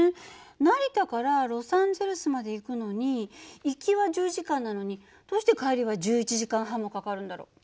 成田からロサンゼルスまで行くのに行きは１０時間なのにどうして帰りは１１時間半もかかるんだろう。